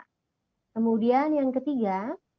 kemudian yang ketiga